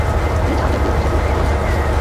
তুমি যাঁর যোগ্য নও সে পুরুষ কোথায় আছে?